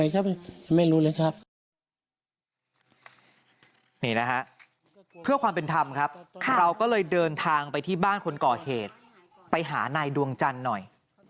จะแค่เพื่อความเป็นธรรมครับข้างก็เลยเดินทางฝั่งไปที่บ้านคนกล่อเขตไปหานายดวงจับหน่อย